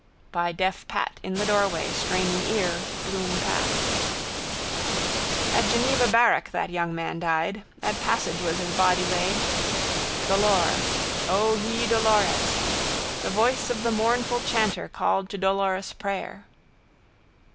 By deaf Pat in the doorway straining ear Bloom passed. At Geneva barrack that young man died. At Passage was his body laid. Dolor! O, he dolores! The voice of the mournful chanter called to dolorous prayer.